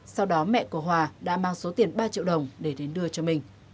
sau đó mẹ của hòa đã mang số tiền ba triệu đồng để đến đưa cho minh